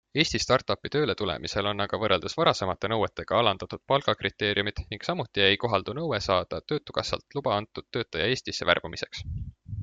Eesti startupi tööle tulemisel on aga võrreldes varasemate nõuetega alandatud palgakriteeriumit ning samuti ei kohaldu nõue saada töötukassalt luba antud töötaja Eestisse värbamiseks.